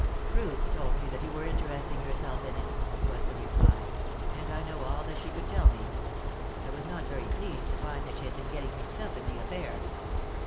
"Ruth told me that you were interesting yourself in it," was the reply, "and I know all that she could tell me. I was not very pleased to find that she had been getting mixed up in the affair."